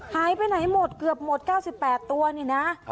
หายไปไหนหมดเกือบหมดเก้าสิบแปดตัวเนี่ยนะ